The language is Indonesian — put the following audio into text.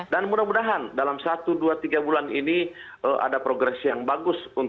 dan mudah mudahan dalam satu dua tiga bulan ini ada progresi yang bagus